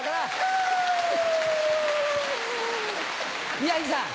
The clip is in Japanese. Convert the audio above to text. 宮治さん。